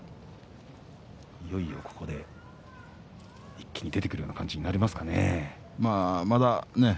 いよいよここで一気に出ていくような感じになりますかね。